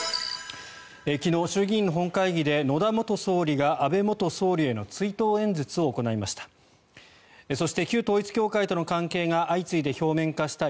昨日、衆議院の本会議で野田元総理が安倍元総理への追悼演説を行いました。